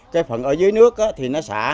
cái phần ở dưới nước thì nó xả